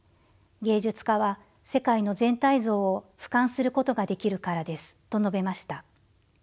芸術家は世界の全体像をふかんすることができるからです」と述べました。